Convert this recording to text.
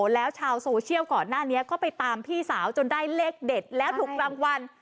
แล้วชาวโซเชียลก่อนหน้านี้ก็ไปตามพี่สาวจนได้เลขเด็ดแล้วถูกรางวัล